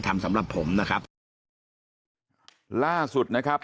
ล่าสุดนะครับ